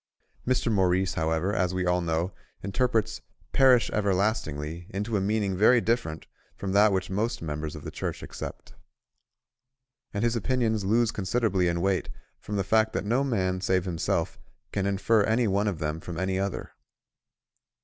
Mr. Maurice, however, as we all know, interprets "perish everlastingly" into a meaning very different from that which most members of the Church accept. And his opinions lose considerably in weight from the fact that no man save himself can infer any one of them from any other.